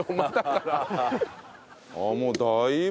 もうだいぶ。